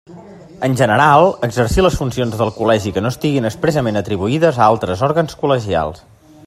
En general, exercir les funcions del Col·legi que no estiguen expressament atribuïdes a altres òrgans col·legials.